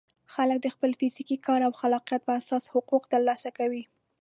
خلک د خپل فزیکي کار او خلاقیت په اساس حقوق ترلاسه کوي.